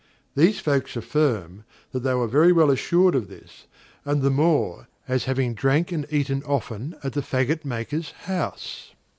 These folks affirm, that they were very well assured of this, and the more, as having drank and eaten often at the faggot maker's house.